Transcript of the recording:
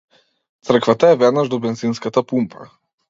Црквата е веднаш до бензинската пумпа.